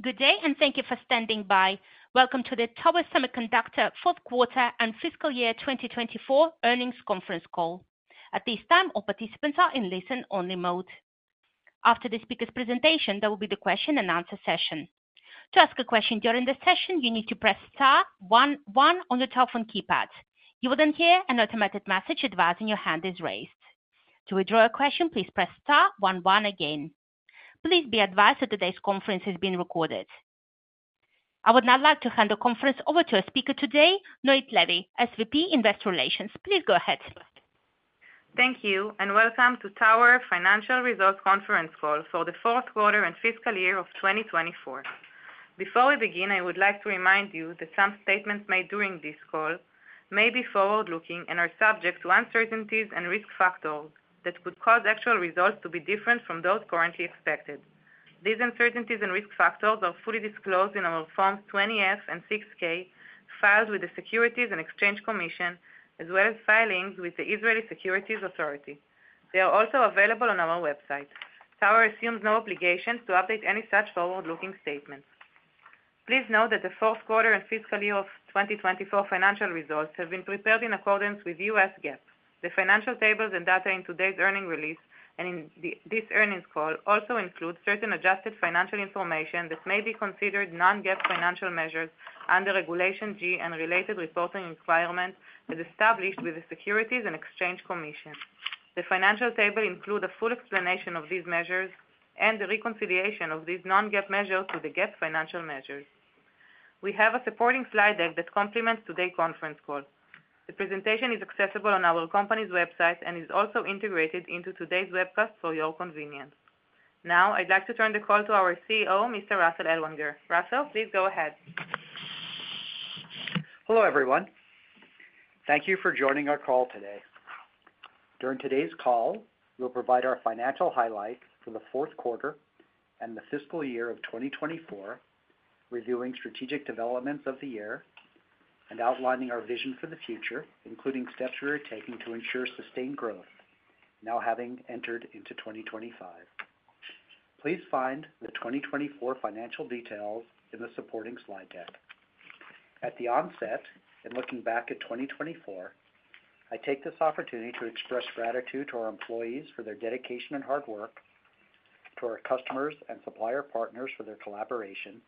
Good day, and thank you for standing by. Welcome to the Tower Semiconductor Fourth Quarter and Fiscal Year 2024 Earnings Conference Call. At this time, all participants are in listen-only mode. After the speaker's presentation, there will be the question-and-answer session. To ask a question during the session, you need to press star one one on your telephone keypad. You will then hear an automated message advising your hand is raised. To withdraw a question, please press one one again. Please be advised that today's conference is being recorded. I would now like to hand the conference over to our speaker today, Noit Levy, SVP, Investor Relations. Please go ahead. Thank you, and welcome to Tower Financial Results Conference Call for the Fourth Quarter and Fiscal Year of 2024. Before we begin, I would like to remind you that some statements made during this call may be forward-looking and are subject to uncertainties and risk factors that could cause actual results to be different from those currently expected. These uncertainties and risk factors are fully disclosed in our Forms 20-F and 6-K filed with the Securities and Exchange Commission, as well as filings with the Israeli Securities Authority. They are also available on our website. Tower assumes no obligations to update any such forward-looking statements. Please note that the Fourth Quarter and Fiscal Year of 2024 financial results have been prepared in accordance with U.S. GAAP. The financial tables and data in today's earnings release and in this earnings call also include certain adjusted financial information that may be considered non-GAAP financial measures under Regulation G and related reporting requirements as established with the Securities and Exchange Commission. The financial table includes a full explanation of these measures and the reconciliation of these non-GAAP measures to the GAAP financial measures. We have a supporting slide deck that complements today's conference call. The presentation is accessible on our company's website and is also integrated into today's webcast for your convenience. Now, I'd like to turn the call to our CEO, Mr. Russell Ellwanger. Russell, please go ahead. Hello, everyone. Thank you for joining our call today. During today's call, we'll provide our financial highlights for the fourth quarter and the fiscal year of 2024, reviewing strategic developments of the year and outlining our vision for the future, including steps we are taking to ensure sustained growth now having entered into 2025. Please find the 2024 financial details in the supporting slide deck. At the onset and looking back at 2024, I take this opportunity to express gratitude to our employees for their dedication and hard work, to our customers and supplier partners for their collaboration,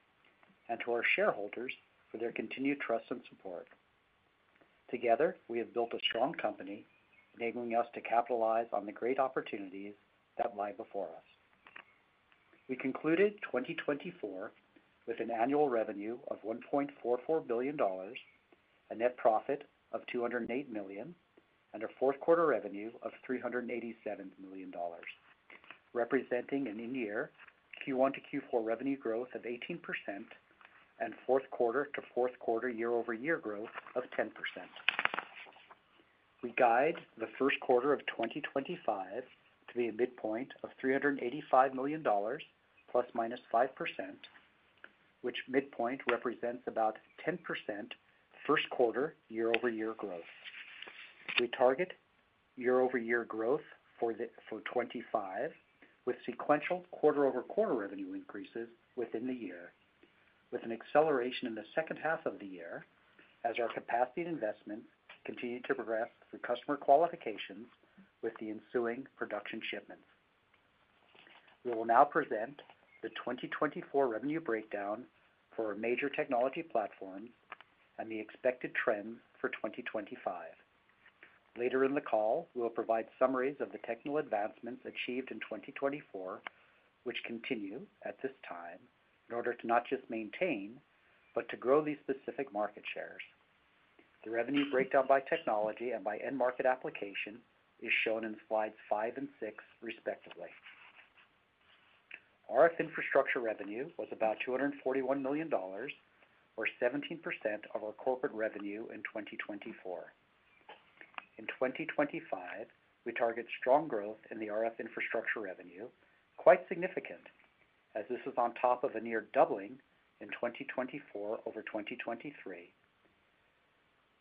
and to our shareholders for their continued trust and support. Together, we have built a strong company, enabling us to capitalize on the great opportunities that lie before us. We concluded 2024 with an annual revenue of $1.44 billion, a net profit of $208 million, and a Fourth Quarter revenue of $387 million, representing an in-year Q1 to Q4 revenue growth of 18% and Fourth Quarter to Fourth Quarter year-over-year growth of 10%. We guide the First Quarter of 2025 to be a midpoint of $385 million, plus/minus 5%, which midpoint represents about 10% First Quarter year-over-year growth. We target year-over-year growth for 2025 with sequential quarter-over-quarter revenue increases within the year, with an acceleration in the second half of the year as our capacity and investment continue to progress through customer qualifications with the ensuing production shipments. We will now present the 2024 revenue breakdown for our major technology platforms and the expected trends for 2025. Later in the call, we'll provide summaries of the technical advancements achieved in 2024, which continue at this time in order to not just maintain, but to grow these specific market shares. The revenue breakdown by technology and by end market application is shown in slides five and six, respectively. RF infrastructure revenue was about $241 million, or 17% of our corporate revenue in 2024. In 2025, we target strong growth in the RF infrastructure revenue, quite significant as this is on top of a near doubling in 2024 over 2023,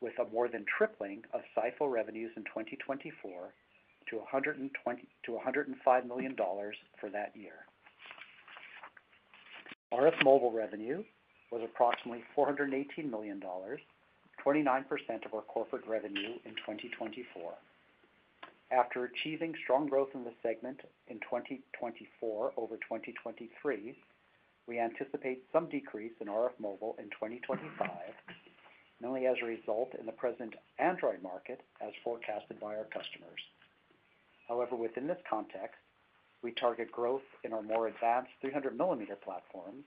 with a more than tripling of SiPho revenues in 2024 to $105 million for that year. RF mobile revenue was approximately $418 million, 29% of our corporate revenue in 2024. After achieving strong growth in the segment in 2024 over 2023, we anticipate some decrease in RF mobile in 2025, mainly as a result in the present Android market as forecasted by our customers. However, within this context, we target growth in our more advanced 300 mm platforms,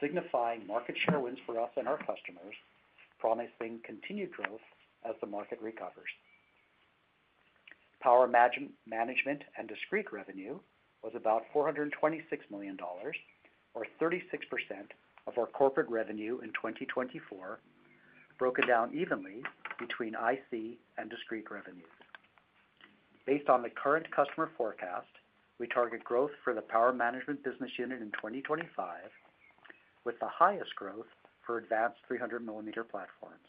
signifying market share wins for us and our customers, promising continued growth as the market recovers. Power management and discrete revenue was about $426 million, or 36% of our corporate revenue in 2024, broken down evenly between IC and discrete revenues. Based on the current customer forecast, we target growth for the power management business unit in 2025, with the highest growth for advanced 300 mm platforms.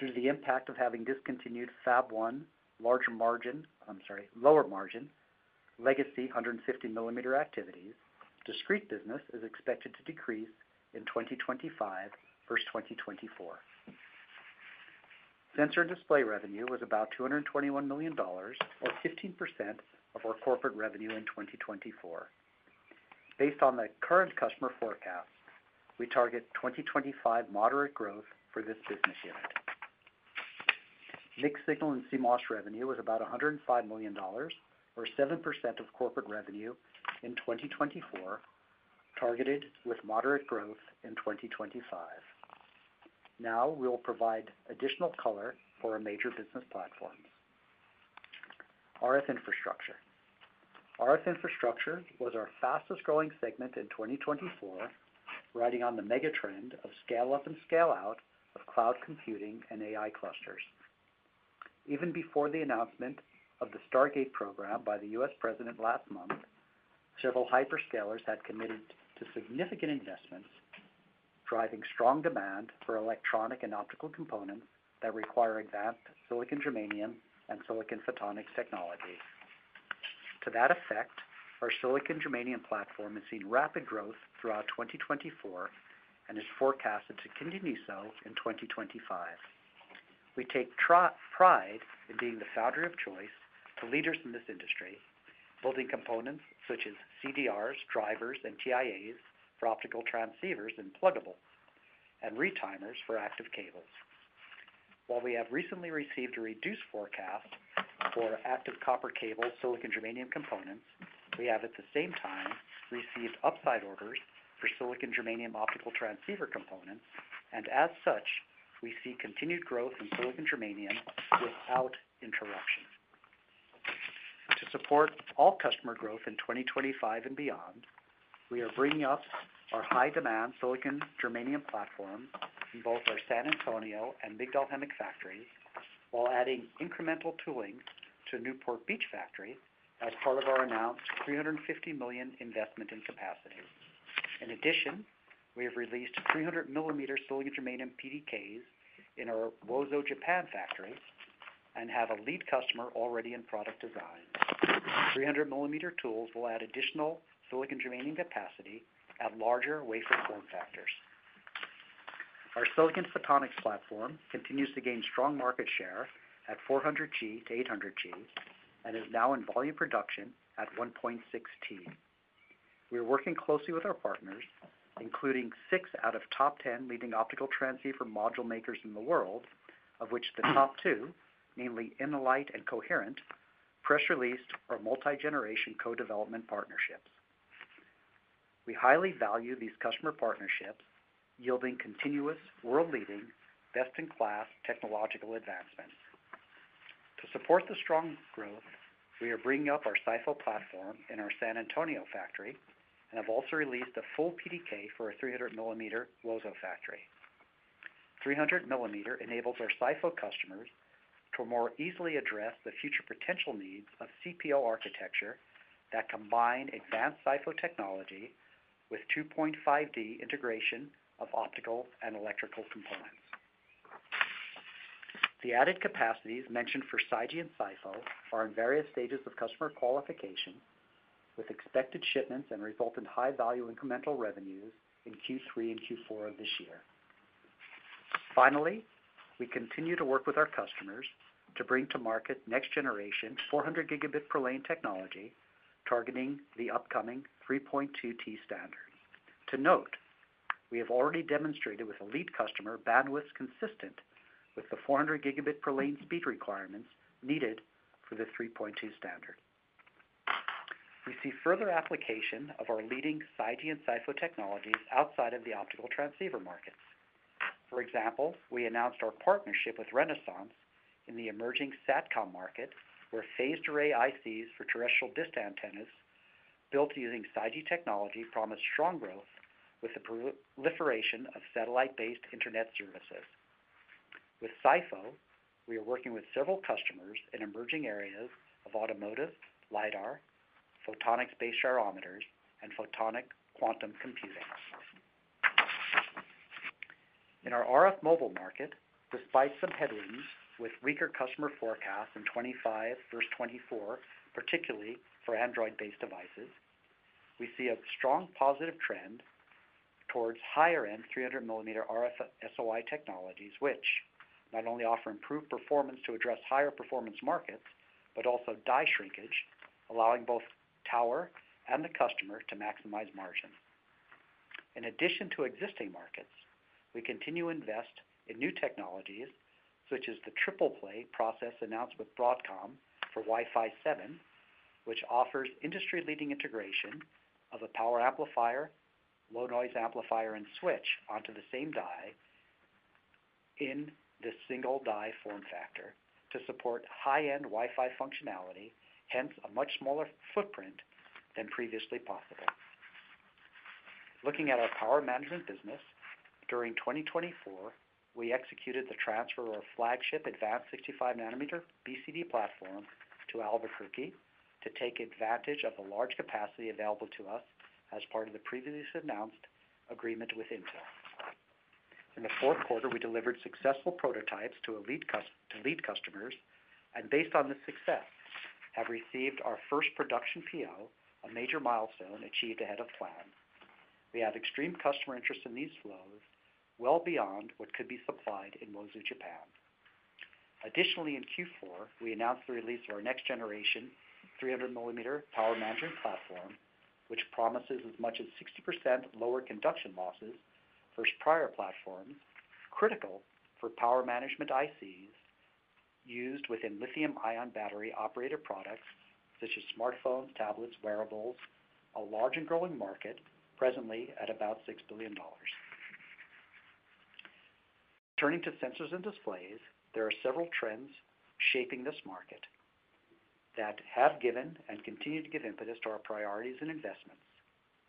Due to the impact of having discontinued Fab 1, larger margin - I'm sorry, lower margin - legacy 150 mm activities, discrete business is expected to decrease in 2025 versus 2024. Sensor and display revenue was about $221 million, or 15% of our corporate revenue in 2024. Based on the current customer forecast, we target 2025 moderate growth for this business unit. Mixed signal and CMOS revenue was about $105 million, or 7% of corporate revenue in 2024, targeted with moderate growth in 2025. Now, we'll provide additional color for our major business platforms. RF infrastructure. RF infrastructure was our fastest-growing segment in 2024, riding on the mega trend of scale-up and scale-out of cloud computing and AI clusters. Even before the announcement of the Stargate program by the U.S. President last month, several hyperscalers had committed to significant investments, driving strong demand for electronic and optical components that require advanced silicon germanium and silicon photonics technologies. To that effect, our silicon germanium platform has seen rapid growth throughout 2024 and is forecasted to continue so in 2025. We take pride in being the foundry of choice for leaders in this industry, building components such as CDRs, drivers, and TIAs for optical transceivers and pluggable, and retimers for active cables. While we have recently received a reduced forecast for active copper cable silicon germanium components, we have at the same time received upside orders for silicon germanium optical transceiver components, and as such, we see continued growth in silicon germanium without interruption. To support all customer growth in 2025 and beyond, we are bringing up our high-demand silicon germanium platform in both our San Antonio and Migdal Haemek factories, while adding incremental tooling to Newport Beach factory as part of our announced $350 million investment in capacity. In addition, we have released 300 mm silicon germanium PDKs in our Uozu, Japan factory and have a lead customer already in product design. 300mm tools will add additional silicon germanium capacity at larger wafer form factors. Our silicon photonics platform continues to gain strong market share at 400G-800G and is now in volume production at 1.6T. We are working closely with our partners, including six out of the top 10 leading optical transceiver module makers in the world, of which the top two, namely InnoLight and Coherent, press-released our multi-generation co-development partnerships. We highly value these customer partnerships, yielding continuous, world-leading, best-in-class technological advancements. To support the strong growth, we are bringing up our SiPho platform in our San Antonio factory and have also released a full PDK for our 300 mm Uozu factory.300 mm enables our SiPho customers to more easily address the future potential needs of CPO architecture that combine advanced SiPho technology with 2.5D integration of optical and electrical components. The added capacities mentioned for SiGe and SiPho are in various stages of customer qualification, with expected shipments and resultant high-value incremental revenues in Q3 and Q4 of this year. Finally, we continue to work with our customers to bring to market next-generation 400 Gb per-lane technology, targeting the upcoming 3.2T standard. To note, we have already demonstrated with a lead customer bandwidths consistent with the 400 Gb per-lane speed requirements needed for the 3.2 standard. We see further application of our leading SiGe and SiPho technologies outside of the optical transceiver markets. For example, we announced our partnership with Renesas in the emerging SATCOM market, where phased-array ICs for terrestrial disk antennas built using SiGe technology promise strong growth with the proliferation of satellite-based internet services. With SiPho, we are working with several customers in emerging areas of automotive, LiDAR, photonics-based gyrometers, and photonic quantum computing. In our RF mobile market, despite some headwinds with weaker customer forecasts in 2025 versus 2024, particularly for Android-based devices, we see a strong positive trend towards higher-end 300 mm RF SOI technologies, which not only offer improved performance to address higher performance markets, but also die shrinkage, allowing both Tower and the customer to maximize margin. In addition to existing markets, we continue to invest in new technologies, such as the triple-play process announced with Broadcom for Wi-Fi 7, which offers industry-leading integration of a power amplifier, low-noise amplifier, and switch onto the same die in the single die form factor to support high-end Wi-Fi functionality, hence a much smaller footprint than previously possible. Looking at our power management business, during 2024, we executed the transfer of flagship advanced 65-nanometer BCD platform to Albuquerque to take advantage of the large capacity available to us as part of the previously announced agreement with Intel. In the Fourth Quarter, we delivered successful prototypes to lead customers and, based on this success, have received our first production PO, a major milestone achieved ahead of plan. We have extreme customer interest in these flows, well beyond what could be supplied in Uozu, Japan. Additionally, in Q4, we announced the release of our next-generation 300 mm power management platform, which promises as much as 60% lower conduction losses versus prior platforms, critical for power management ICs used within lithium-ion battery-operated products such as smartphones, tablets, wearables. A large and growing market, presently at about $6 billion. Turning to sensors and displays, there are several trends shaping this market that have given and continue to give impetus to our priorities and investments,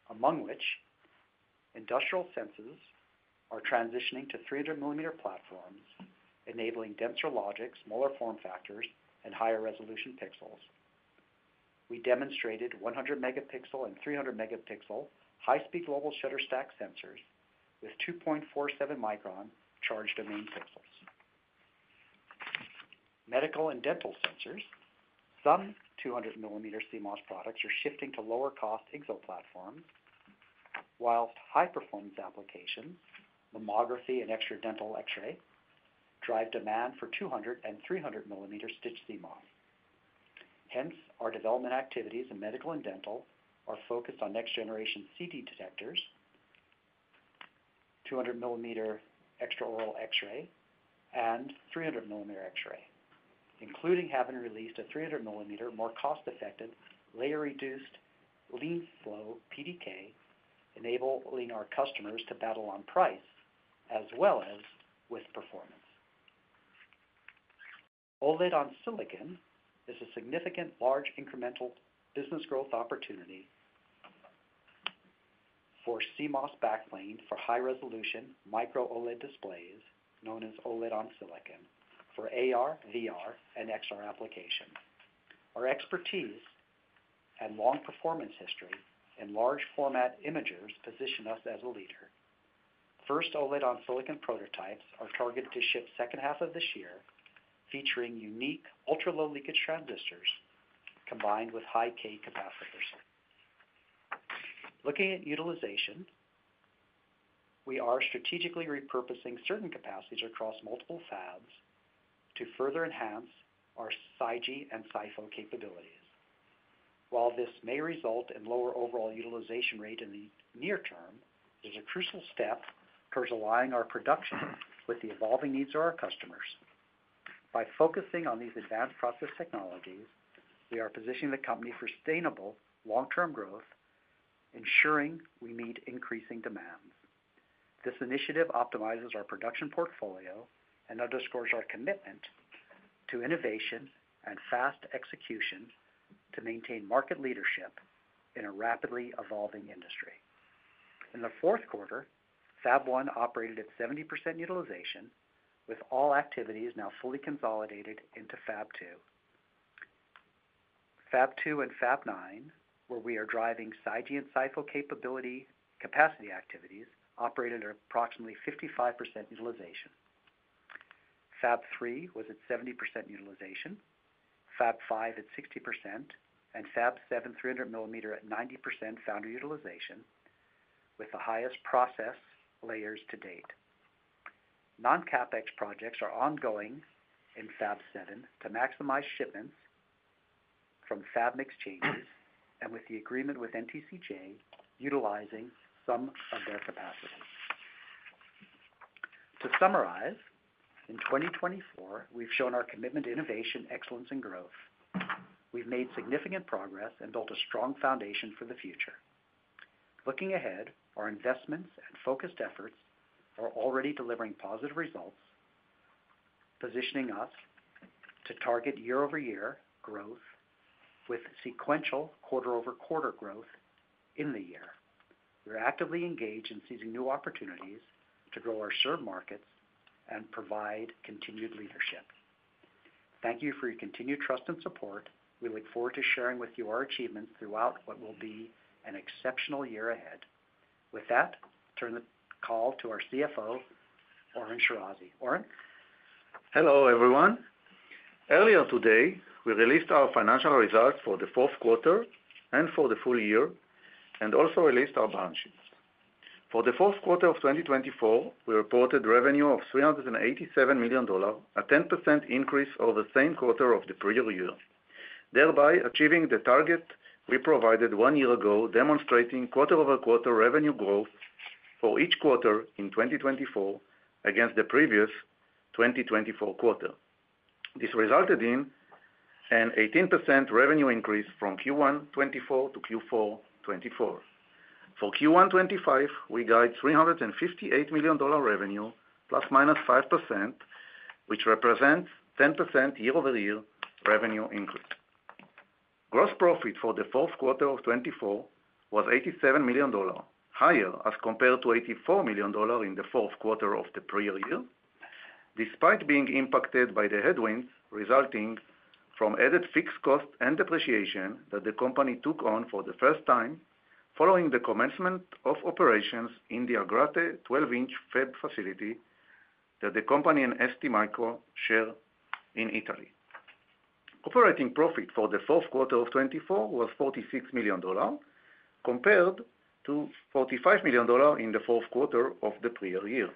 among which industrial sensors are transitioning to 300 mm platforms, enabling denser logic, smaller form factors, and higher resolution pixels. We demonstrated 100 MP and 300 MP high-speed global shutter stack sensors with 2.47-micron charge domain pixels. Medical and dental sensors, some 200-mm CMOS products are shifting to lower-cost IGZO platforms, while high-performance applications, mammography and extraoral dental X-ray, drive demand for 200- and 300mm stitched CMOS. Hence, our development activities in medical and dental are focused on next-generation CT detectors, 200-mm extraoral X-ray, and 300mm X-ray, including having released a 300mm more cost-effective, layer-reduced lean flow PDK, enabling our customers to battle on price as well as with performance. OLED on silicon is a significant large incremental business growth opportunity for CMOS backplane for high-resolution micro-OLED displays known as OLED on silicon for AR, VR, and XR applications. Our expertise and long performance history in large-format imagers position us as a leader. First OLED on silicon prototypes are targeted to ship second half of this year, featuring unique ultra-low-leakage transistors combined with high-K capacitors. Looking at utilization, we are strategically repurposing certain capacities across multiple fabs to further enhance our SiGe and SiPho capabilities. While this may result in lower overall utilization rate in the near term, it is a crucial step towards aligning our production with the evolving needs of our customers. By focusing on these advanced process technologies, we are positioning the company for sustainable long-term growth, ensuring we meet increasing demands. This initiative optimizes our production portfolio and underscores our commitment to innovation and fast execution to maintain market leadership in a rapidly evolving industry. In the Fourth Quarter, Fab 1 operated at 70% utilization, with all activities now fully consolidated into Fab 2. Fab 2 and Fab 9, where we are driving SiGe and SiPho capability capacity activities, operated at approximately 55% utilization. Fab 3 was at 70% utilization, Fab 5 at 60%, and Fab 7, 300 mm at 90% foundry utilization, with the highest process layers to date. Non-CapEx projects are ongoing in Fab 7 to maximize shipments from fab mix changes and with the agreement with NTCJ utilizing some of their capacity. To summarize, in 2024, we've shown our commitment to innovation, excellence, and growth. We've made significant progress and built a strong foundation for the future. Looking ahead, our investments and focused efforts are already delivering positive results, positioning us to target year-over-year growth with sequential quarter-over-quarter growth in the year. We're actively engaged in seizing new opportunities to grow our shared markets and provide continued leadership. Thank you for your continued trust and support. We look forward to sharing with you our achievements throughout what will be an exceptional year ahead. With that, turn the call to our CFO, Oren Shirazi. Oren? Hello, everyone. Earlier today, we released our financial results for the Fourth Quarter and for the full year and also released our balance sheets. For the Fourth Quarter of 2024, we reported revenue of $387 million, a 10% increase over the same quarter of the previous year, thereby achieving the target we provided one year ago, demonstrating quarter-over-quarter revenue growth for each quarter in 2024 against the previous 2024 quarter. This resulted in an 18% revenue increase from Q1 2024 to Q4 2024. For Q1 2025, we got $358 million revenue, plus or minus 5%, which represents 10% year-over-year revenue increase. Gross profit for the Fourth Quarter of 2024 was $87 million, higher as compared to $84 million in the Fourth Quarter of the previous year, despite being impacted by the headwinds resulting from added fixed cost and depreciation that the company took on for the first time following the commencement of operations in the Agrate 12-inch fab facility that the company and STMicro share in Italy. Operating profit for the Fourth Quarter of 2024 was $46 million, compared to $45 million in the Fourth Quarter of the previous year.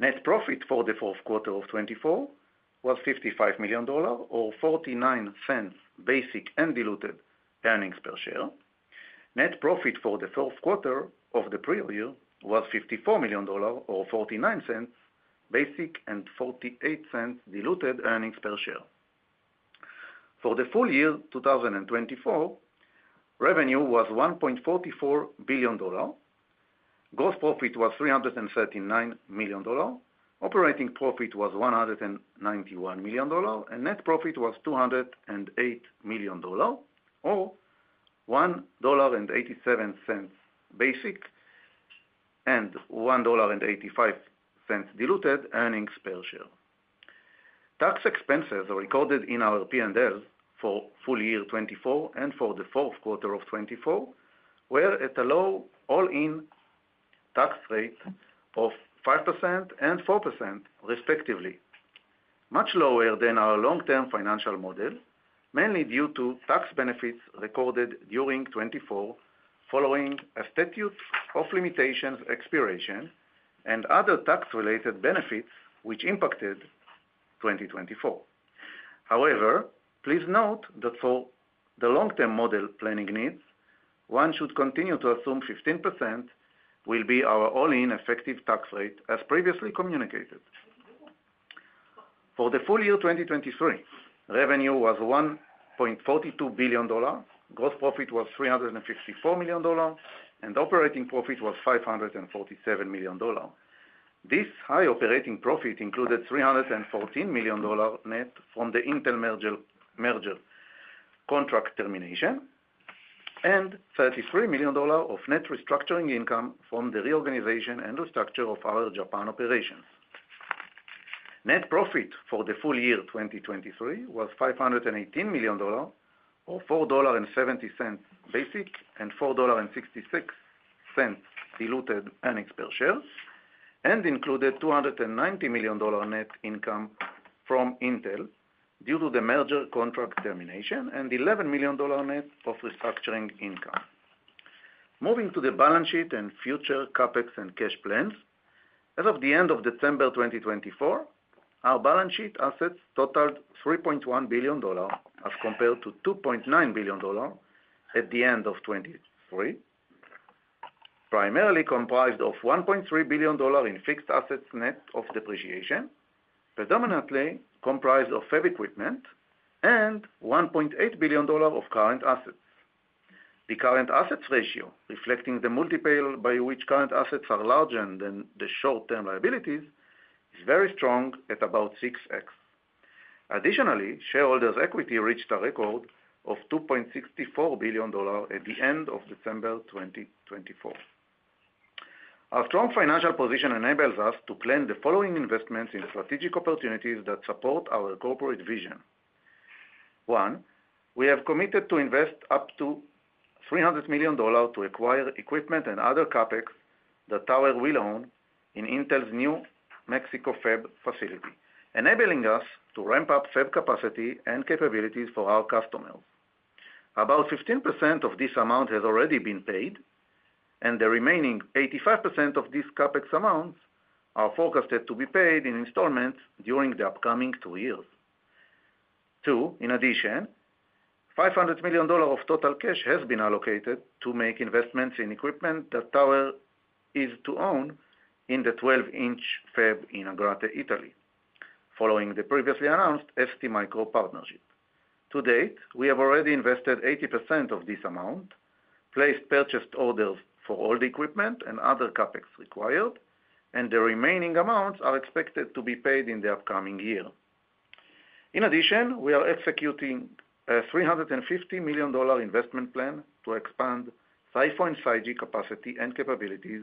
Net profit for the Fourth Quarter of 2024 was $55 million, or $0.49 basic and diluted earnings per share. Net profit for the Fourth Quarter of the previous year was $54 million, or $0.49 basic and $0.48 diluted earnings per share. For the full year 2024, revenue was $1.44 billion. Gross profit was $339 million. Operating profit was $191 million, and net profit was $208 million, or $1.87 basic and $1.85 diluted earnings per share. Tax expenses are recorded in our P&Ls for full year 2024 and for the Fourth Quarter of 2024, where at a low all-in tax rate of 5% and 4%, respectively, much lower than our long-term financial model, mainly due to tax benefits recorded during 2024 following a statute of limitations expiration and other tax-related benefits which impacted 2024. However, please note that for the long-term model planning needs, one should continue to assume 15% will be our all-in effective tax rate, as previously communicated. For the full year 2023, revenue was $1.42 billion. Gross profit was $354 million, and operating profit was $547 million. This high operating profit included $314 million net from the Intel merger contract termination and $33 million of net restructuring income from the reorganization and restructure of our Japan operations. Net profit for the full year 2023 was $518 million, or $4.70 basic and $4.66 diluted earnings per share, and included $290 million net income from Intel due to the merger contract termination and $11 million net of restructuring income. Moving to the balance sheet and future CapEx and cash plans, as of the end of December 2024, our balance sheet assets totaled $3.1 billion, as compared to $2.9 billion at the end of 2023, primarily comprised of $1.3 billion in fixed assets net of depreciation, predominantly comprised of fab equipment, and $1.8 billion of current assets. The current assets ratio, reflecting the multiple by which current assets are larger than the short-term liabilities, is very strong at about 6X. Additionally, shareholders' equity reached a record of $2.64 billion at the end of December 2024. Our strong financial position enables us to plan the following investments in strategic opportunities that support our corporate vision. One, we have committed to invest up to $300 million to acquire equipment and other CapEx that Tower will own in Intel's New Mexico fab facility, enabling us to ramp up fab capacity and capabilities for our customers. About 15% of this amount has already been paid, and the remaining 85% of this CapEx amount are forecasted to be paid in installments during the upcoming two years. Two, in addition, $500 million of total cash has been allocated to make investments in equipment that Tower is to own in the 12-inch fab in Agrate, Italy, following the previously announced STMicro partnership. To date, we have already invested 80% of this amount, placed purchased orders for all the equipment and other CapEx required, and the remaining amounts are expected to be paid in the upcoming year. In addition, we are executing a $350 million investment plan to expand SiPho and SiGe capacity and capabilities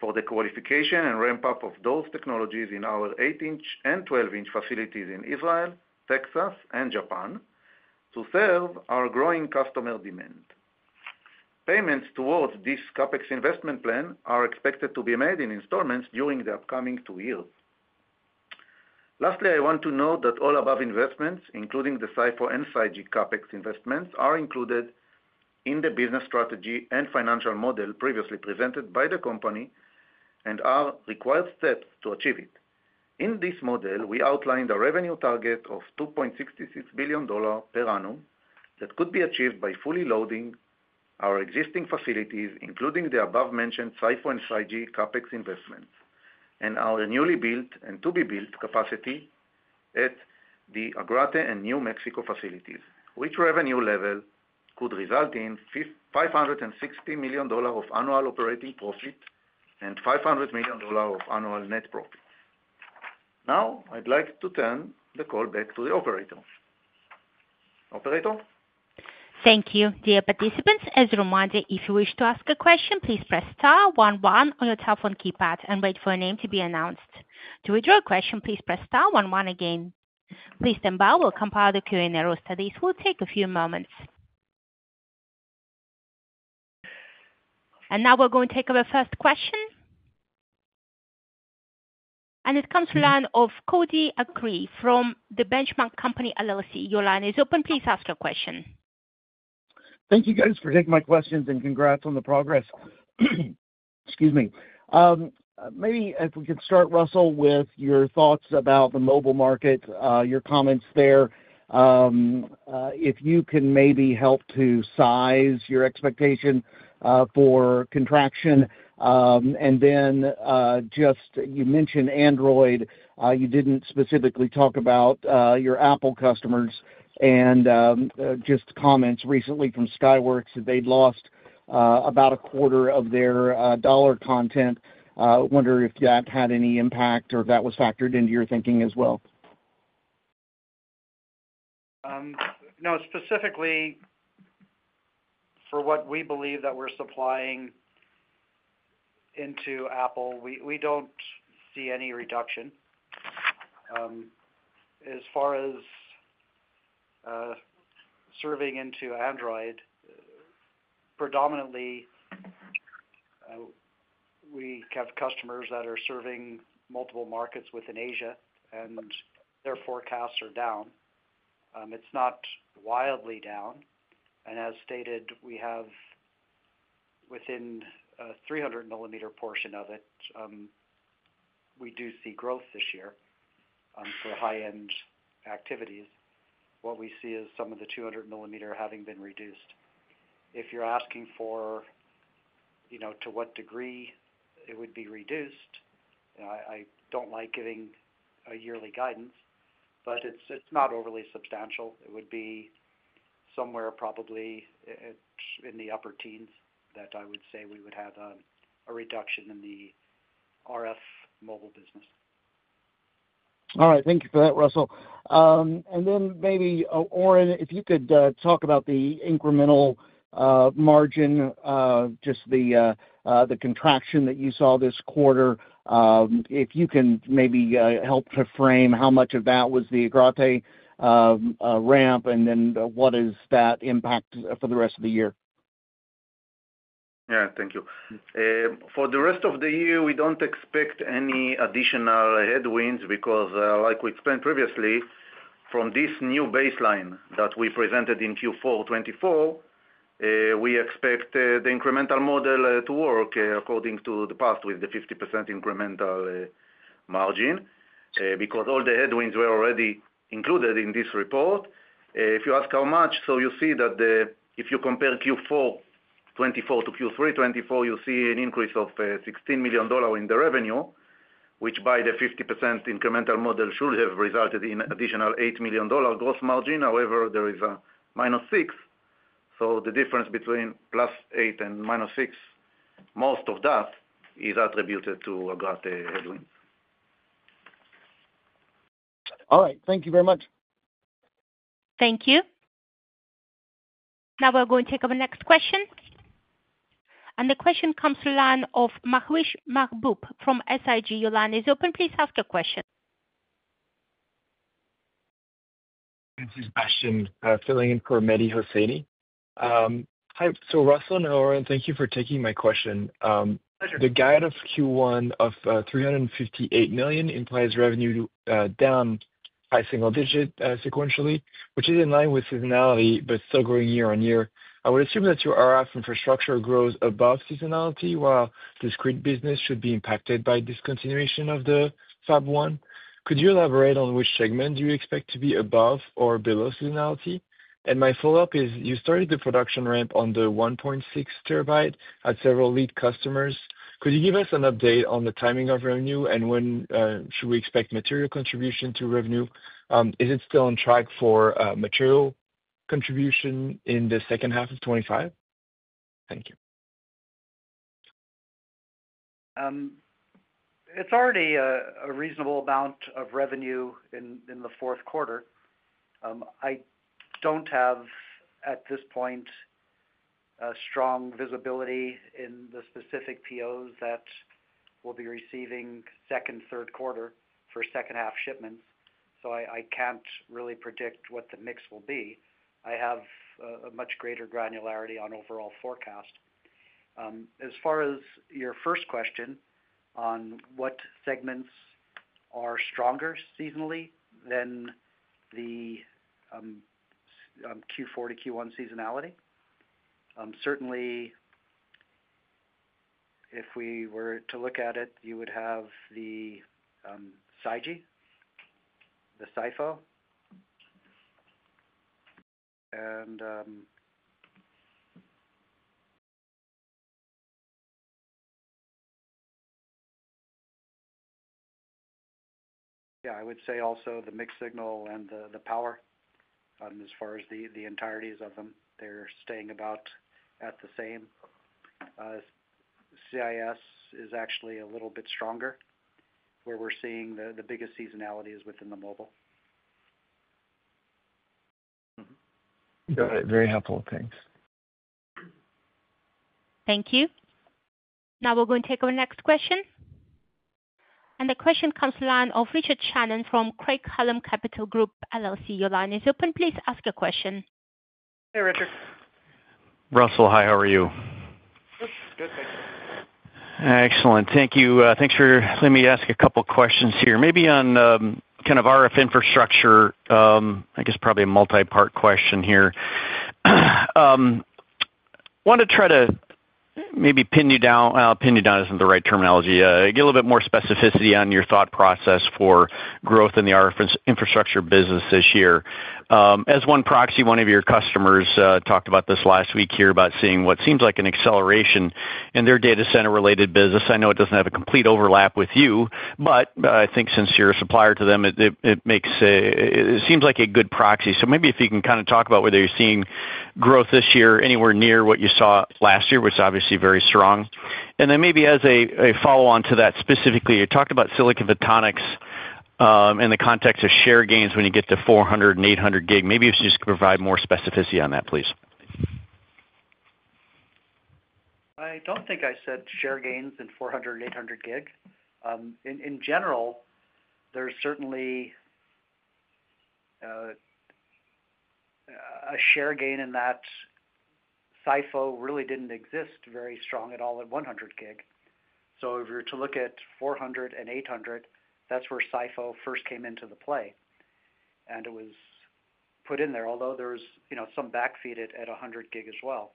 for the qualification and ramp-up of those technologies in our 8-inch and 12-inch facilities in Israel, Texas, and Japan to serve our growing customer demand. Payments towards this CapEx investment plan are expected to be made in installments during the upcoming two years. Lastly, I want to note that all above investments, including the SiPho and SiGe CapEx investments, are included in the business strategy and financial model previously presented by the company and are required steps to achieve it. In this model, we outlined a revenue target of $2.66 billion per annum that could be achieved by fully loading our existing facilities, including the above-mentioned SiPho and SiGe CapEx investments, and our newly built and to-be-built capacity at the Agrate and New Mexico facilities, which revenue level could result in $560 million of annual operating profit and $500 million of annual net profit. Now, I'd like to turn the call back to the operator. Operator? Thank you. Dear participants, as a reminder, if you wish to ask a question, please press star one one on your telephone keypad and wait for your name to be announced. To withdraw a question, please press star one one again. Please stand by. We'll compile the Q&A roster, and this will take a few moments. And now we're going to take our first question. And it comes from the line of Cody Acree from the Benchmark Company LLC. Your line is open. Please ask your question. Thank you, guys, for taking my questions and congrats on the progress. Excuse me. Maybe if we could start, Russell, with your thoughts about the mobile market, your comments there. If you can maybe help to size your expectation for contraction. And then just you mentioned Android. You didn't specifically talk about your Apple customers and just comments recently from Skyworks that they'd lost about a quarter of their dollar content. I wonder if that had any impact or if that was factored into your thinking as well. No, specifically for what we believe that we're supplying into Apple, we don't see any reduction. As far as serving into Android, predominantly, we have customers that are serving multiple markets within Asia, and their forecasts are down. It's not wildly down. And as stated, we have within a 300 mm portion of it, we do see growth this year for high-end activities. What we see is some of the 200 mm having been reduced. If you're asking for to what degree it would be reduced, I don't like giving a yearly guidance, but it's not overly substantial. It would be somewhere probably in the upper teens that I would say we would have a reduction in the RF mobile business. All right. Thank you for that, Russell. And then maybe, Oren, if you could talk about the incremental margin, just the contraction that you saw this quarter. If you can maybe help to frame how much of that was the Agrate ramp and then what is that impact for the rest of the year? Yeah, thank you. For the rest of the year, we don't expect any additional headwinds because, like we explained previously, from this new baseline that we presented in Q4 2024, we expect the incremental model to work according to the past with the 50% incremental margin because all the headwinds were already included in this report. If you ask how much, so you see that if you compare Q4 2024 to Q3 2024, you see an increase of $16 million in the revenue, which by the 50% incremental model should have resulted in an additional $8 million gross margin. However, there is a minus $6 million. So the difference between plus $8 million and minus $6 million, most of that is attributed to Agrate headwinds. All right. Thank you very much. Thank you. Now we're going to take our next question. And the question comes from the line of Mehwish Mahboub from SIG. Your line is open. Please ask your question. This is Bastian filling in for Mehwish Mahboub. Hi. So, Russell and Oren, thank you for taking my question. The guide of Q1 of $358 million implies revenue down by single digit sequentially, which is in line with seasonality but still growing year on year. I would assume that your RF infrastructure grows above seasonality, while discrete business should be impacted by discontinuation of the Fab 1. Could you elaborate on which segment do you expect to be above or below seasonality? And my follow-up is you started the production ramp on the 1.6 terabit at several lead customers. Could you give us an update on the timing of revenue, and when should we expect material contribution to revenue? Is it still on track for material contribution in the second half of 2025? Thank you. It's already a reasonable amount of revenue in the fourth quarter. I don't have, at this point, a strong visibility in the specific POs that we'll be receiving second, third quarter for second-half shipments. So I can't really predict what the mix will be. I have a much greater granularity on overall forecast. As far as your first question on what segments are stronger seasonally than the Q4 to Q1 seasonality, certainly, if we were to look at it, you would have the SiGe, the SiPho. And yeah, I would say also the mixed signal and the power, as far as the entireties of them, they're staying about at the same. CIS is actually a little bit stronger, where we're seeing the biggest seasonality is within the mobile. Got it. Very helpful. Thanks. Thank you. Now we're going to take our next question. And the question comes from the line of Richard Shannon from Craig-Hallum Capital Group LLC. Your line is open. Please ask your question. Hey, Richard. Russell, hi. How are you? Good. Good. Thank you. Excellent. Thank you. Thanks for letting me ask a couple of questions here, maybe on kind of RF infrastructure. I guess probably a multi-part question here. I want to try to maybe pin you down. Pin you down isn't the right terminology. Get a little bit more specificity on your thought process for growth in the RF infrastructure business this year. As one proxy, one of your customers talked about this last week here about seeing what seems like an acceleration in their data center-related business. I know it doesn't have a complete overlap with you, but I think since you're a supplier to them, it seems like a good proxy. So maybe if you can kind of talk about whether you're seeing growth this year anywhere near what you saw last year, which is obviously very strong. And then maybe as a follow-on to that specifically, you talked about Silicon Photonics in the context of share gains when you get to 400 and 800 Gb. Maybe if you just could provide more specificity on that, please. I don't think I said share gains in 400 and 800 Gb. In general, there's certainly a share gain in that SiPho really didn't exist very strong at all at 100 Gb. So if you're to look at 400 and 800, that's where SiPho first came into the play, and it was put in there, although there was some backfeed at 100 Gb as well.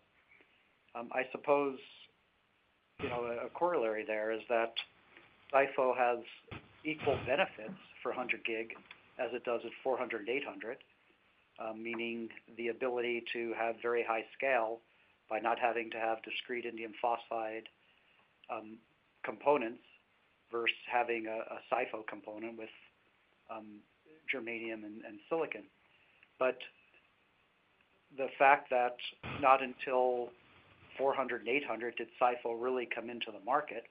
I suppose a corollary there is that SiPho has equal benefits for 100 Gb as it does at 400 and 800, meaning the ability to have very high scale by not having to have discrete indium phosphide components versus having a SiPho component with germanium and silicon. But the fact that not until 400 and 800 did SiPho really come into the market,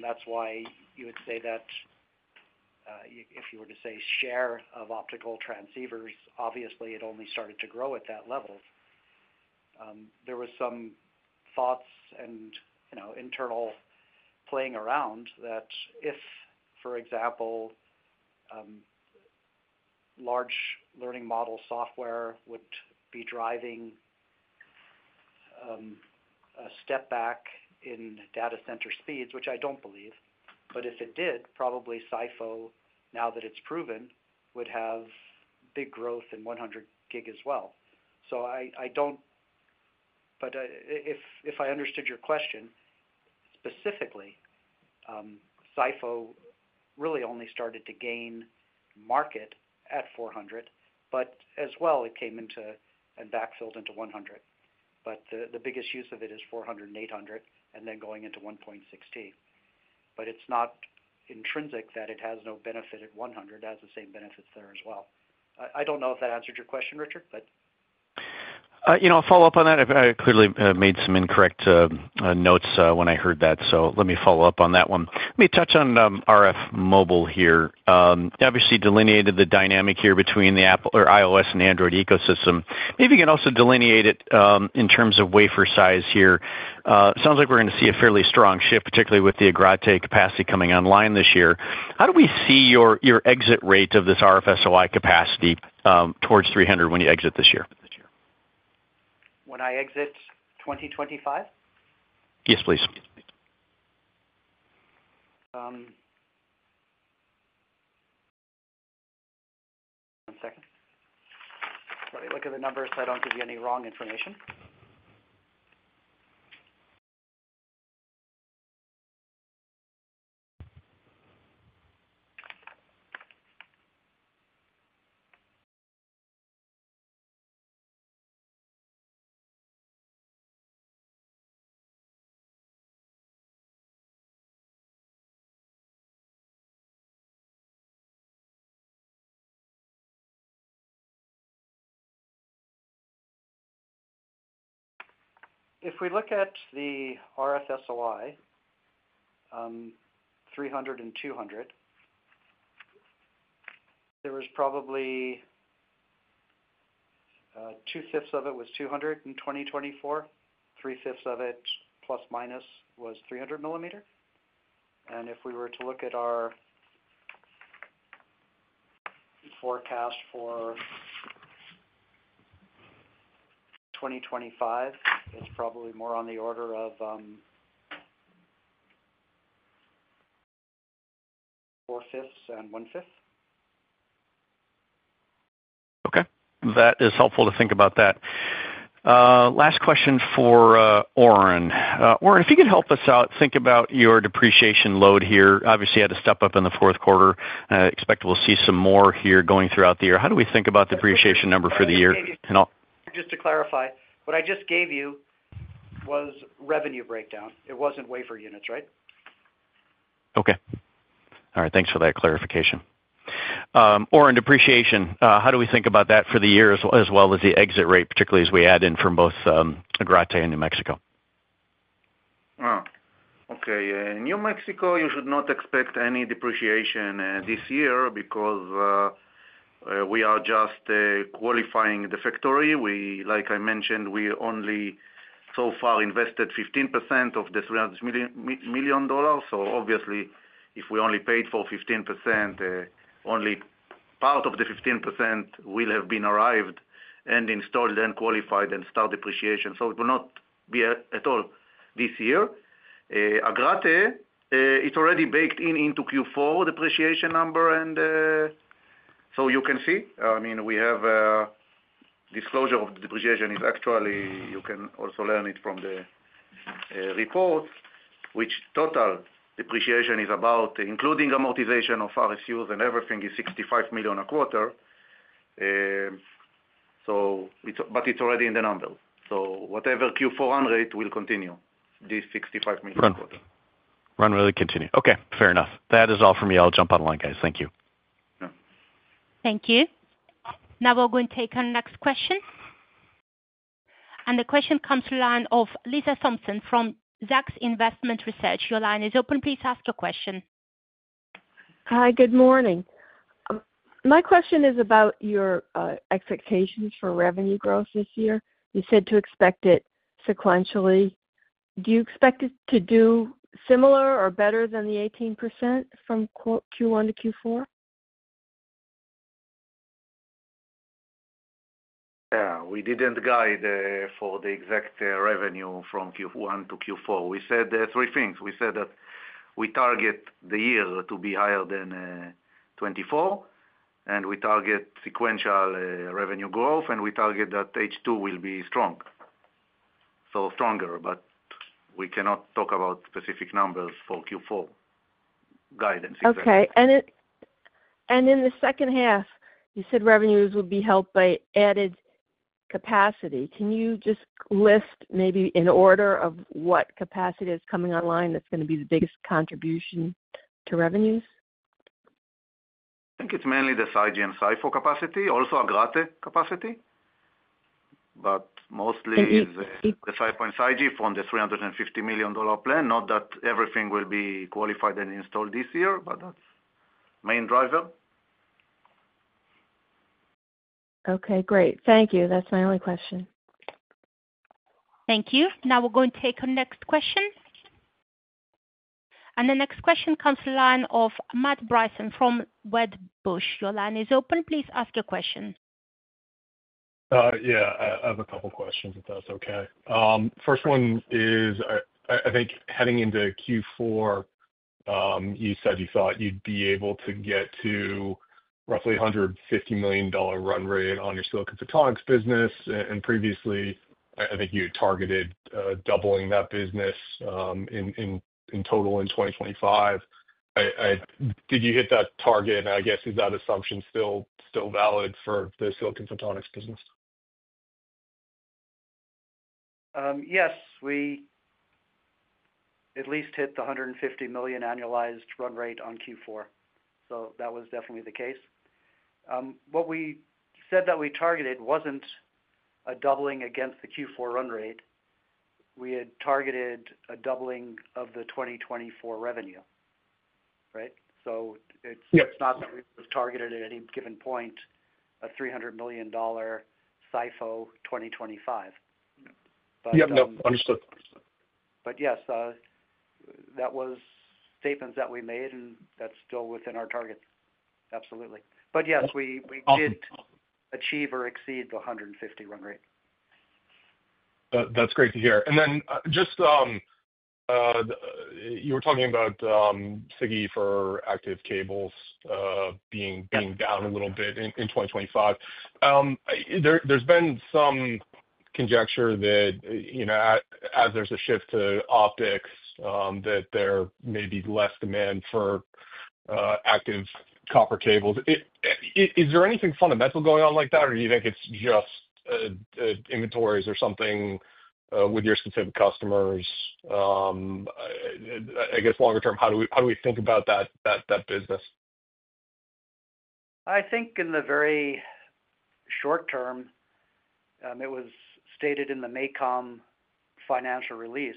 that's why you would say that if you were to say share of optical transceivers, obviously, it only started to grow at that level. There were some thoughts and internal playing around that if, for example, large learning model software would be driving a step back in data center speeds, which I don't believe, but if it did, probably SiPho, now that it's proven, would have big growth in 100 Gb as well. So I don't, but if I understood your question, specifically, SiPho really only started to gain market at 400, but as well, it came into and backfilled into 100. But the biggest use of it is 400 and 800 and then going into 1.6T. But it's not intrinsic that it has no benefit at 100. It has the same benefits there as well. I don't know if that answered your question, Richard, but. I'll follow up on that. I clearly made some incorrect notes when I heard that, so let me follow up on that one. Let me touch on RF mobile here. Obviously, delineated the dynamic here between the iOS and Android ecosystem. Maybe you can also delineate it in terms of wafer size here. It sounds like we're going to see a fairly strong shift, particularly with the Agrate capacity coming online this year. How do we see your exit rate of this RF SOI capacity towards 300 when you exit this year? When I exit 2025? Yes, please. One second. Let me look at the numbers so I don't give you any wrong information. If we look at the RF SOI, 300 and 200, there was probably two-fifths of it was 200 in 2024. Three-fifths of it, plus or minus, was 300 mm. And if we were to look at our forecast for 2025, it's probably more on the order of four-fifths and one-fifth. Okay. That is helpful to think about that. Last question for Oren. Oren, if you could help us out, think about your depreciation load here. Obviously, you had a step up in the fourth quarter. I expect we'll see some more here going throughout the year. How do we think about depreciation number for the year? Just to clarify, what I just gave you was revenue breakdown. It wasn't wafer units, right? Okay. All right. Thanks for that clarification. Oren, depreciation, how do we think about that for the year as well as the exit rate, particularly as we add in from both Agrate and New Mexico? Okay. In New Mexico, you should not expect any depreciation this year because we are just qualifying the factory. Like I mentioned, we only so far invested 15% of the $300 million. So obviously, if we only paid for 15%, only part of the 15% will have been arrived and installed and qualified and start depreciation. So it will not be at all this year. Agrate, it's already baked into Q4 depreciation number, and so you can see. I mean, we have a disclosure of the depreciation is actually you can also learn it from the report, which total depreciation is about, including amortization of ROUs and everything, is $65 million a quarter. But it's already in the number. So whatever Q4 rate will continue, this $65 million a quarter will really continue. Okay. Fair enough. That is all for me. I'll jump online, guys. Thank you. Thank you. Now we're going to take our next question. And the question comes from the line of Lisa Thompson from Zacks Investment Research. Your line is open. Please ask your question. Hi. Good morning. My question is about your expectations for revenue growth this year. You said to expect it sequentially. Do you expect it to do similar or better than the 18% from Q1 to Q4? Yeah. We didn't guide for the exact revenue from Q1 to Q4. We said three things. We said that we target the year to be higher than 24, and we target sequential revenue growth, and we target that H2 will be strong. So stronger, but we cannot talk about specific numbers for Q4 guidance. Okay. And in the second half, you said revenues would be helped by added capacity. Can you just list maybe in order of what capacity is coming online that's going to be the biggest contribution to revenues? I think it's mainly the SiGe and SiPho capacity, also Agrate capacity. But mostly the SiGe from the $350 million plan. Not that everything will be qualified and installed this year, but that's the main driver. Okay. Great. Thank you. That's my only question. Thank you. Now we're going to take our next question. The next question comes from the line of Matt Bryson from Wedbush. Your line is open. Please ask your question. Yeah. I have a couple of questions if that's okay. First one is, I think heading into Q4, you said you thought you'd be able to get to roughly $150 million run rate on your Silicon Photonics business. And previously, I think you had targeted doubling that business in total in 2025. Did you hit that target? And I guess is that assumption still valid for the Silicon Photonics business? Yes. We at least hit the 150 million annualized run rate on Q4. So that was definitely the case. What we said that we targeted wasn't a doubling against the Q4 run rate. We had targeted a doubling of the 2024 revenue, right? So it's not that we targeted at any given point a $300 million SiPho 2025. But yeah. Understood. But yes, that was statements that we made, and that's still within our target. Absolutely. But yes, we did achieve or exceed the 150 run rate. That's great to hear. And then just you were talking about SiGe for active cables being down a little bit in 2025. There's been some conjecture that as there's a shift to optics, that there may be less demand for active copper cables. Is there anything fundamental going on like that, or do you think it's just inventories or something with your specific customers? I guess longer term, how do we think about that business? I think in the very short term, it was stated in the MACOM financial release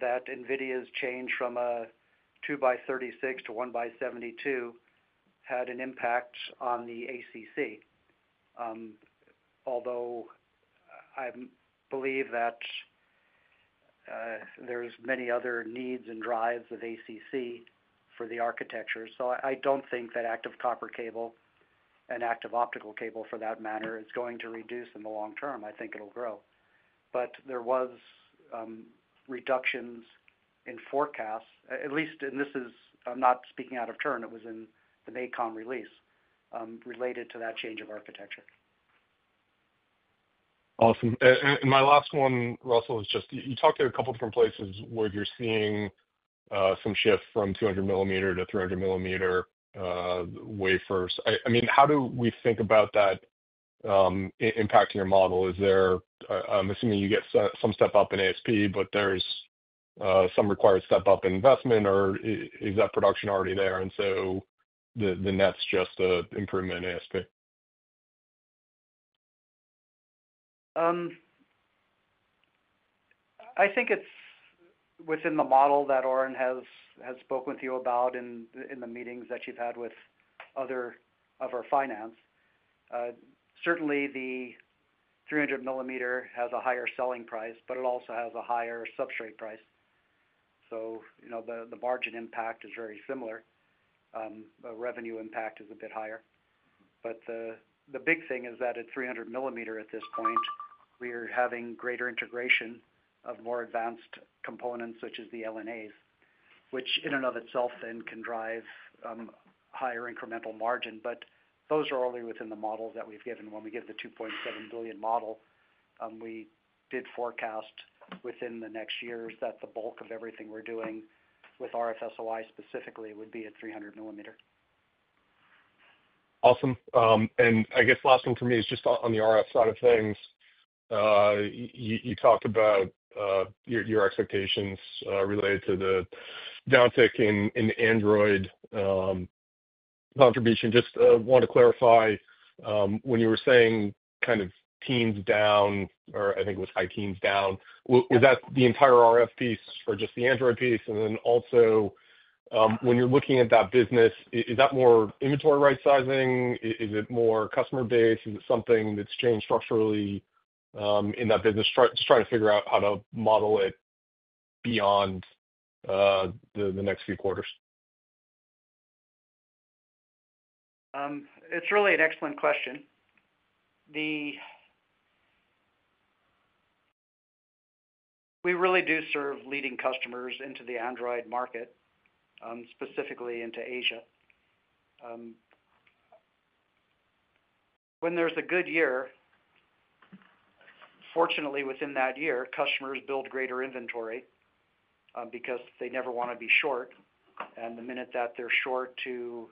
that NVIDIA's change from a 2x36 to 1x72 had an impact on the ACC, although I believe that there's many other needs and drives of ACC for the architecture. So I don't think that active copper cable and active optical cable, for that matter, is going to reduce in the long term. I think it'll grow. But there were reductions in forecasts, at least, and this is I'm not speaking out of turn. It was in the MACOM release related to that change of architecture. Awesome. And my last one, Russell, is just you talked to a couple of different places where you're seeing some shift from 200 mm to 300 mm wafers. I mean, how do we think about that impacting your model? Is there? I'm assuming you get some step up in ASP, but there's some required step up in investment, or is that production already there? And so the net's just an improvement in ASP? I think it's within the model that Oren has spoken to you about in the meetings that you've had with other of our finance. Certainly, the 300mm has a higher selling price, but it also has a higher substrate price. So the margin impact is very similar. The revenue impact is a bit higher. But the big thing is that at 300mm, at this point, we are having greater integration of more advanced components, such as the LNAs, which in and of itself then can drive higher incremental margin. But those are only within the models that we've given. When we give the 2.7 billion model, we did forecast within the next years that the bulk of everything we're doing with RF SOI specifically would be at 300mm. Awesome. And I guess last one for me is just on the RF side of things. You talked about your expectations related to the downtick in Android contribution. Just want to clarify, when you were saying kind of teens down, or I think it was high teens down, was that the entire RF piece or just the Android piece? And then also, when you're looking at that business, is that more inventory right-sizing? Is it more customer base? Is it something that's changed structurally in that business? Just trying to figure out how to model it beyond the next few quarters. It's really an excellent question. We really do serve leading customers into the Android market, specifically into Asia. When there's a good year, fortunately, within that year, customers build greater inventory because they never want to be short. And the minute that they're short to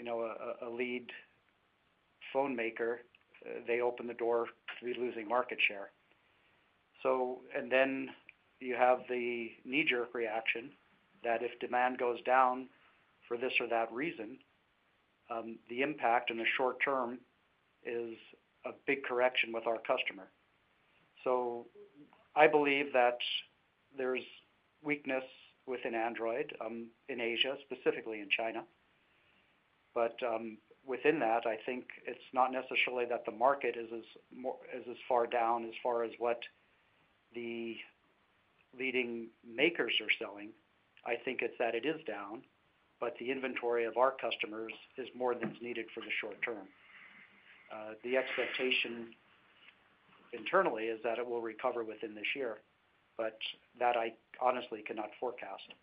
a lead phone maker, they open the door to be losing market share. And then you have the knee-jerk reaction that if demand goes down for this or that reason, the impact in the short term is a big correction with our customer. So I believe that there's weakness within Android in Asia, specifically in China. But within that, I think it's not necessarily that the market is as far down as far as what the leading makers are selling. I think it's that it is down, but the inventory of our customers is more than needed for the short term. The expectation internally is that it will recover within this year, but that I honestly cannot forecast.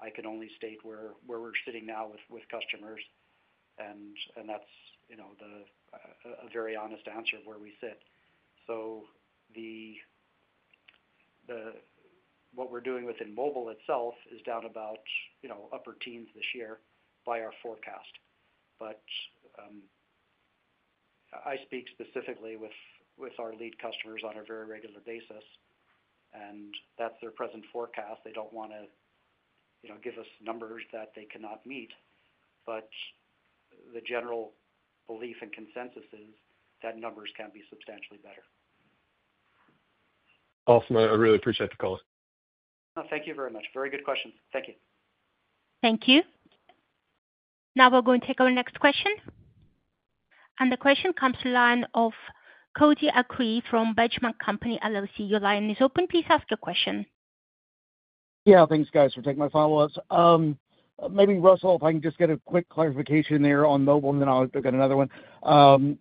I can only state where we're sitting now with customers, and that's a very honest answer of where we sit. So what we're doing within mobile itself is down about upper teens this year by our forecast. But I speak specifically with our lead customers on a very regular basis, and that's their present forecast. They don't want to give us numbers that they cannot meet. But the general belief and consensus is that numbers can be substantially better. Awesome. I really appreciate the call. Thank you very much. Very good questions. Thank you. Thank you. Now we're going to take our next question, and the question comes from the line of Cody Acree from Benchmark Company LLC. Your line is open. Please ask your question. Yeah. Thanks, guys, for taking my follow-ups. Maybe, Russell, if I can just get a quick clarification there on mobile, and then I'll get another one. In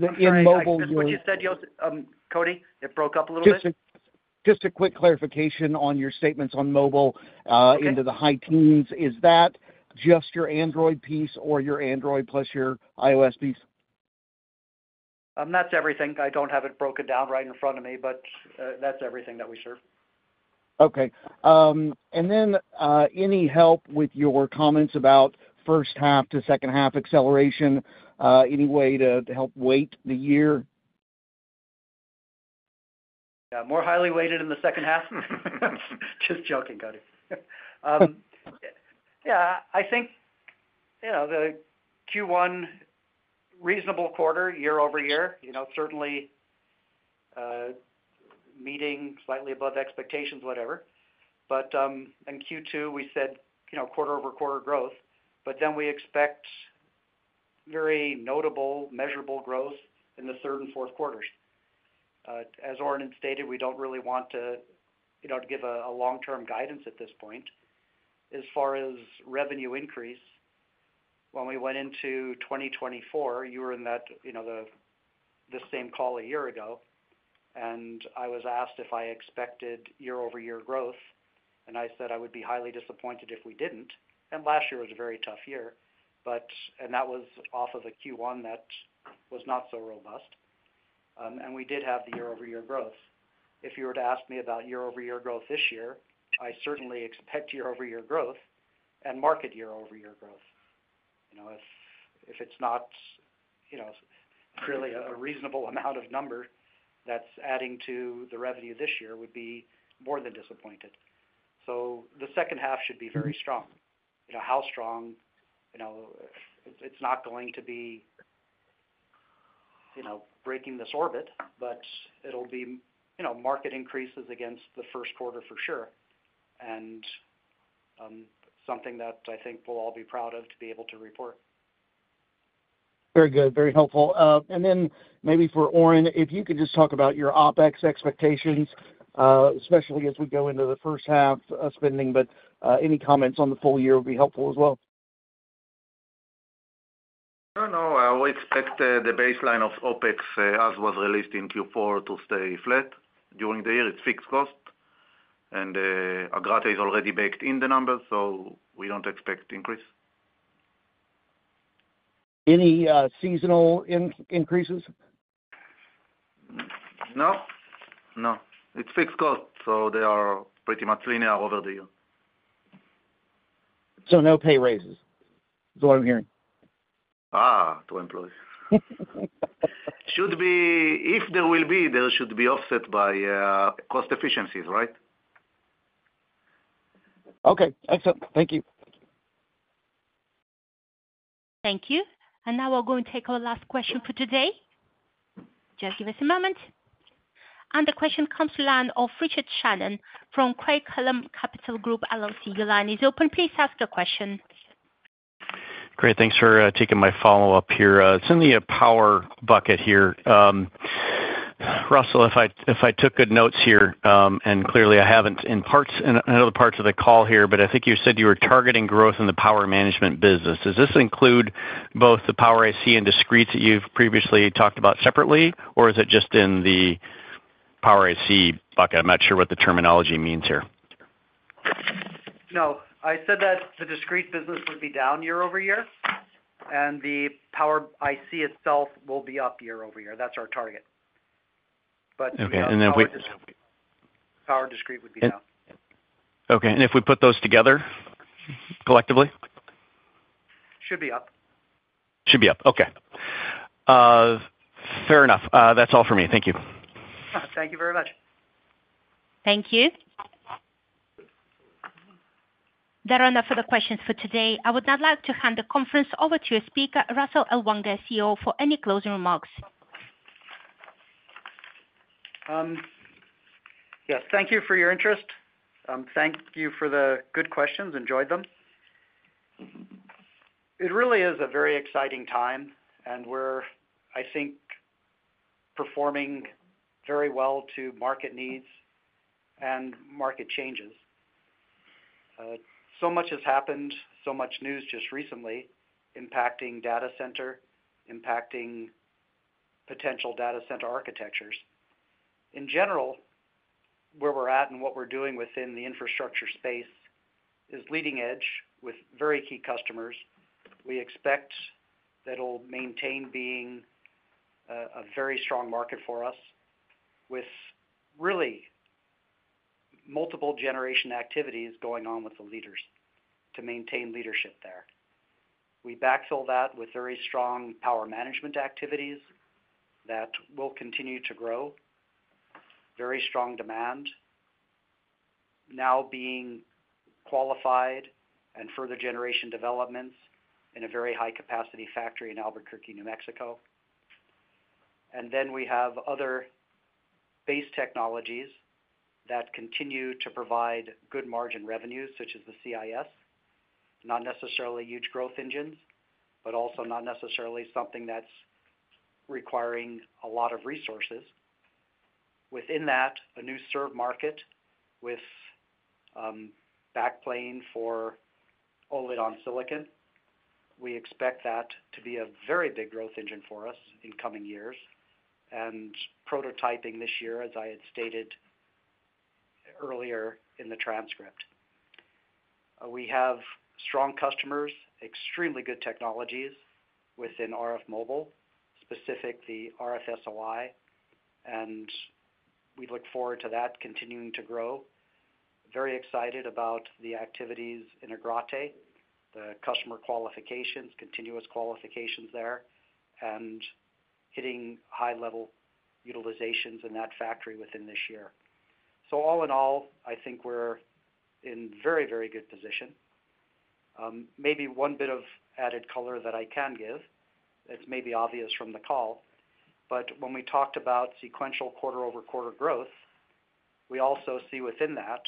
mobile, you're. Sorry. What did you say, Cody? It broke up a little bit. Just a quick clarification on your statements on mobile into the high teens. Is that just your Android piece or your Android plus your iOS piece? That's everything. I don't have it broken down right in front of me, but that's everything that we serve. Okay. And then any help with your comments about first half to second half acceleration? Any way to help weight the year? Yeah. More highly weighted in the second half. Just joking, Cody. Yeah. I think the Q1, reasonable quarter, year over year, certainly meeting slightly above expectations, whatever. But in Q2, we said quarter-over-quarter growth, but then we expect very notable, measurable growth in the third and fourth quarters. As Oren had stated, we don't really want to give a long-term guidance at this point. As far as revenue increase, when we went into 2024, you were in the same call a year ago, and I was asked if I expected year-over-year growth, and I said I would be highly disappointed if we didn't. And last year was a very tough year. And that was off of a Q1 that was not so robust. And we did have the year-over-year growth. If you were to ask me about year-over-year growth this year, I certainly expect year-over-year growth and market year-over-year growth. If it's not really a reasonable amount of number that's adding to the revenue this year, I would be more than disappointed. So the second half should be very strong. How strong? It's not going to be breaking this orbit, but it'll be market increases against the first quarter for sure, and something that I think we'll all be proud of to be able to report. Very good. Very helpful. And then maybe for Oren, if you could just talk about your OpEx expectations, especially as we go into the first half of spending, but any comments on the full year would be helpful as well. No, no. I always expect the baseline of OpEx, as was released in Q4, to stay flat during the year. It's fixed cost. And Agrate is already baked in the numbers, so we don't expect increase. Any seasonal increases? No. No. It's fixed cost, so they are pretty much linear over the year. So no pay raises. That's what I'm hearing [inaudible] To employees. Should be. If there will be, there should be offset by cost efficiencies, right? Okay. Excellent. Thank you. Thank you. And now we're going to take our last question for today. Just give us a moment. And the question comes from the line of Richard Shannon from Craig-Hallum Capital Group LLC. Your line is open. Please ask your question. Great. Thanks for taking my follow-up here. It's in the power bucket here. Russell, if I took good notes here, and clearly I haven't in parts and other parts of the call here, but I think you said you were targeting growth in the power management business. Does this include both the Power IC and Discrete that you've previously talked about separately, or is it just in the Power IC bucket? I'm not sure what the terminology means here. No. I said that the discrete business would be down year over year, and the Power IC itself will be up year over year. That's our target. But the Power Discrete would be down. Okay. And if we put those together collectively? Should be up. Should be up. Okay. Fair enough. That's all for me. Thank you. Thank you very much. Thank you. There are no further questions for today. I would now like to hand the conference over to your speaker, Russell Ellwanger, CEO, for any closing remarks. Yes. Thank you for your interest. Thank you for the good questions. Enjoyed them. It really is a very exciting time, and we're, I think, performing very well to market needs and market changes. So much has happened, so much news just recently impacting data center, impacting potential data center architectures. In general, where we're at and what we're doing within the infrastructure space is leading edge with very key customers. We expect that it'll maintain being a very strong market for us with really multiple generation activities going on with the leaders to maintain leadership there. We backfill that with very strong power management activities that will continue to grow, very strong demand, now being qualified and further generation developments in a very high-capacity factory in Albuquerque, New Mexico. And then we have other base technologies that continue to provide good margin revenue, such as the CIS, not necessarily huge growth engines, but also not necessarily something that's requiring a lot of resources. Within that, a new SiPh market with backplane for OLED on Silicon. We expect that to be a very big growth engine for us in coming years and prototyping this year, as I had stated earlier in the transcript. We have strong customers, extremely good technologies within RF Mobile, specific the RF SOI, and we look forward to that continuing to grow. Very excited about the activities in Agrate, the customer qualifications, continuous qualifications there, and hitting high-level utilizations in that factory within this year. So all in all, I think we're in very, very good position. Maybe one bit of added color that I can give that's maybe obvious from the call, but when we talked about sequential quarter-over-quarter growth, we also see within that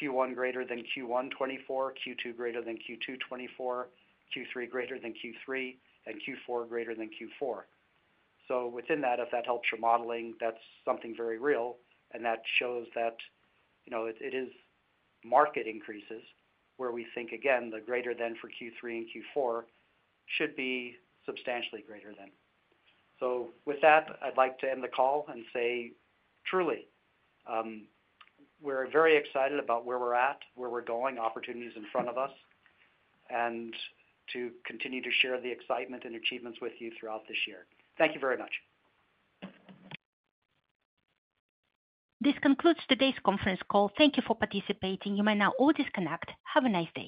Q1 greater than Q1 2024, Q2 greater than Q2 2024, Q3 greater than Q3, and Q4 greater than Q4. So within that, if that helps your modeling, that's something very real, and that shows that it is market increases where we think, again, the greater than for Q3 and Q4 should be substantially greater than. So with that, I'd like to end the call and say truly, we're very excited about where we're at, where we're going, opportunities in front of us, and to continue to share the excitement and achievements with you throughout this year. Thank you very much. This concludes today's conference call. Thank you for participating. You may now all disconnect. Have a nice day.